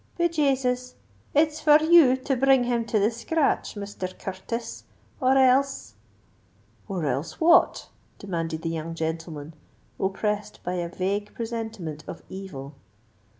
"Be Jasus! it's for you to bring him to the scratch, Misther Curtis; or else——" "Or else what?" demanded the young gentleman, oppressed by a vague presentiment of evil.